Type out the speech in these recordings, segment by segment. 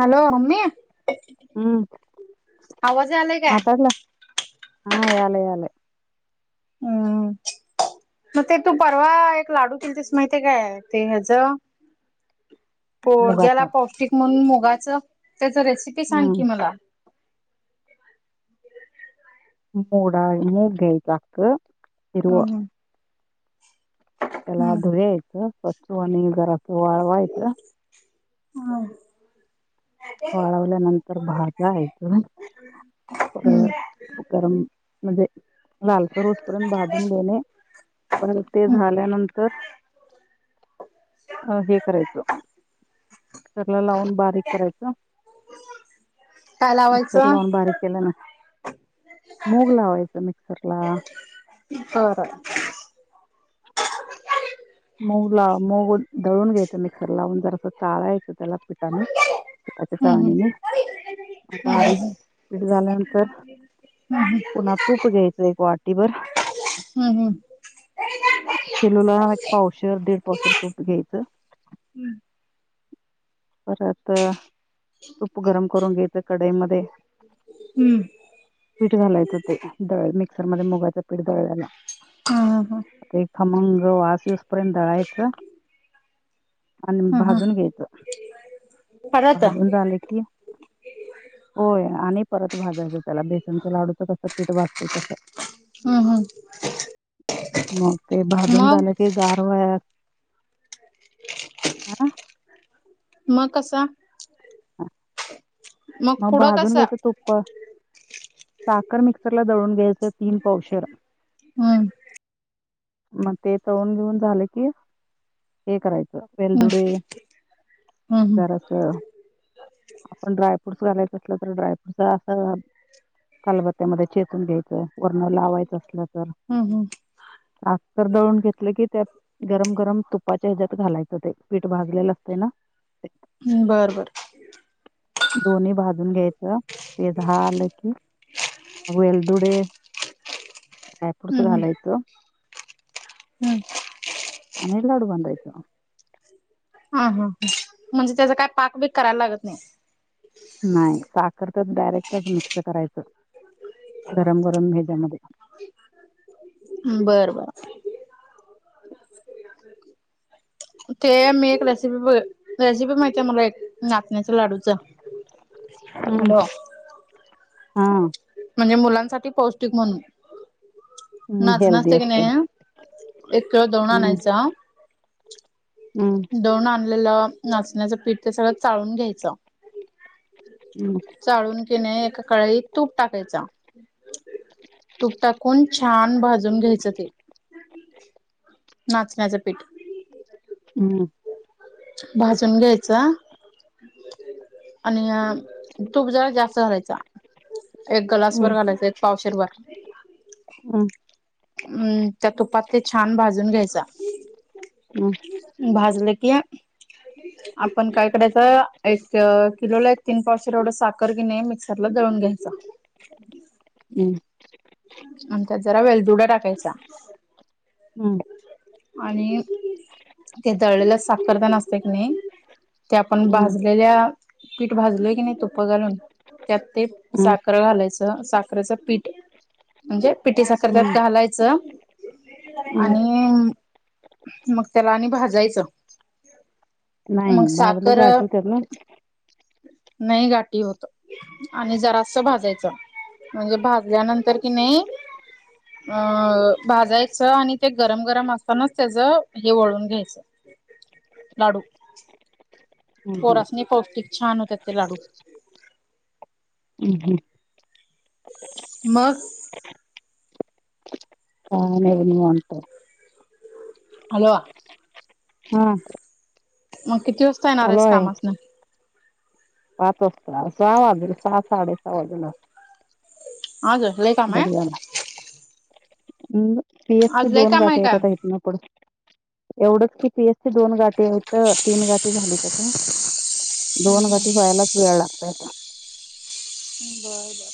Hello म्ममे! ! हम्म! आवाज आलाय काय? माताडला हा! यालंय! यालंय! ह हा! [inaudible] [unintelligible] मग ते तू परवा एक लाडू दिल तीस माहिती काय? आहे ते ह्याचं? मुगाच पोरग्याला पौष्टिक म्हणून, मुगाच! त्याच रेसिपी सांग की हम्म मला! मोड! मोगऐद हक इर हम्म तेला हम्म धुरयत स्वछ! व आणि गरात वाळवायत! हम! ! वाळवल्या नंतर भाजायच उकारर हम्म म्हज गरम लालचा रोजपर्यंत भाधून देणे, परत ते हम्म झाल्यानंतर अ हे करायचं चला लावून, बारीक करायचं काय मिक्सर लावायचं लावून बारीक केलं ना? मग लावायचं मिक्सर ला! हो हो! ! मग ला म दळून घ्यायचं! मिक्सर लावून जर अस! चाळायचं त्याला पिठाने पिठाच्या हम्म हम्म काळणीने बारीक पीठ झाल्यानंतर पुन्हा तूप घ्यायच एक वाटीवर हम्म हम्म हम्म हम्म [inaudible] [unintelligible] दीड पावशर तूप घ्यायचं! परत तूप गरम करून घ्यायच कढईमध्ये हम्म! ! पीठ घालायचं ते दळ मिक्सर मध्ये मुगाचं पीठ, दळ्याला हम! ह! हा! ते खमंग वास येऊस पर्यंत दळायचं आणि हम्म हम्म भाजून घ्यायचं परत भाजून हम्म झालं की! होय! आणि परत भाजायचं, त्याला बेसनच लाडूचं, कसं पीठ भाजतो तसं! हम! हम! ! मग ते भाजून मग झालं की गारवाया हं हेना म कसा [inaudible] मग पुढं भाजून कसा? घ्यायचं तुप्प, साखर मिक्सरला दळून घ्यायचं. तर तीन पौवशर हम्म मग ते दळून बिळून घेऊन झालं की हे करायचं हम्म वेलदुडे हम्म जरासं घालायचं आपण ड्रायफ्रूटस घालायचं असलं तर ड्रायफ्रूटचा असं खलबत्त्यामध्ये चेतून घ्यायचं, वर्ण लावायचं असलं तर. हम, हम आस्तर दळून घेतलं की त्यात गरम -गरम तुपाच्या ह्याच्यात घालायचं, ते पीठ भाजलेलं असते ना ते. हम्म बरं बरं, दोन्ही भाजून घ्यायचं ते झालं की अ वेलदुडे ड्रायफुडस् हम्म हम्म घालायचं. हम्म आणि लाडू बांधायचं. हा, हा हं म्हणजे त्याचा काय पाक बीक करायला लागत नाही. नाही साखर तच डायरेक्टचं मिक्स करायचं गरम -गरम हेच्या मध्ये. बरं -बरं, ते मी एक रेसिपी बघ रेसिपी माहिती आहे, मला एक नाचण्याचा लाडूचं हम्, हा... म्हणजे मुलांसाठी पौष्टिक म्हणून नाचनं हेल्दी असतयं की असतं नाही एक किलो दळून हम्म आणायचा हम्म दळुन आणलेलं नाचण्याचं पीठ ते सगळं चाळून घ्यायचं. हम्.... चाळून कि नई एका कढाईत तूप टाकायचा, तूप टाकून 'छान भाजून घ्यायचं ते, नाचण्याचं पीठ' हम्, भाजून घ्यायचा. आणि अ तूप जरा जास्त घालयचा. एक ग्लासभर हम्म घालायचं, एक पावशेरभर हम, अम्म, त्या तुपात ते छान भाजून घ्यायचा. हं, भाजले की या आपण काय करायच एक किलोला एक तीन पावशे एवढं साखर कि नाही मिक्सरला जळून घ्यायच. [inaudible] हम्, आणि त्यात जरा वेलदुडा टाकायचा. हम्, आणि ते दळलेलं साखर कण असते क नही ते आपण हम्म भाजलेल्या पीठ भाजलोय की नाही, तुप्प घालून त्यात ते हम्म साखरं घालायचं साखरेचं पीठ म्हणजे पिटी साखर त्यात हम्म घालायचं हम्म आणि मग त्याला आणि भाजायचं. मग साखर पण नाही गाठी होत. आणि जरास भाजायचं. म्हणजे भाजल्यानंतर कि नाही अ भाजायचं. आणि ते गरम गरम असतानाच त्याचं हे वळून घ्यायचं [inaudible] लाडू हं, हं, पोरासनी पौष्टिक छान होतात ते लाडू. हम् हम. मग काही नाही निवांत. हॅलो हा मग किती वाजता येणार चालू आहेस आहे कामासन? पाच वाजता, सहा वाजे सहा, साडे सहा वाजेला. आग [unintelligible] पी एफ चे आज लय दोन काम आहे गाटे का येतात आहेत ना पुढं एवढंच की पी एस ची दोन गाठीे होतं, तीन गाटी झालीत आता. दोन गाठी व्हायलाच वेळ लागतयं. बरं बरं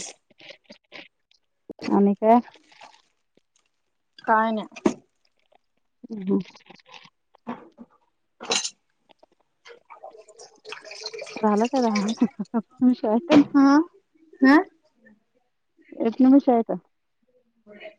[inaudible] आणि काय? काय नाय. हम् हम झालं काय [unintelligible] विषय? हं हं एट [unintelligible] होय.